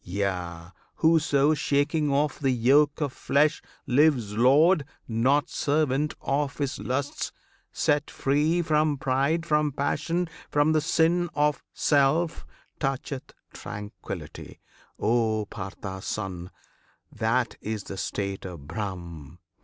Yea! whoso, shaking off the yoke of flesh Lives lord, not servant, of his lusts; set free From pride, from passion, from the sin of "Self," Toucheth tranquillity! O Pritha's Son! That is the state of Brahm!